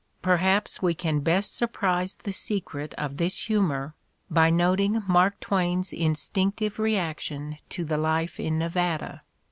'' Perhaps we can best surprise the secret of this humor by noting Mark Twain's instinctive reaction to the life in Nevada.